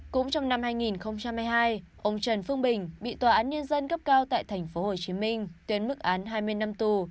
cũng trong năm hai nghìn hai mươi hai ông trần phương bình bị tòa án nhân dân tp hcm tuyên mức án hai mươi năm tù